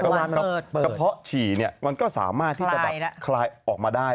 กระเพาะฉีดมันก็สามารถที่จะตัดออกมาได้